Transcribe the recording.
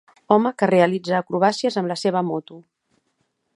Home que realitza acrobàcies amb la seva moto.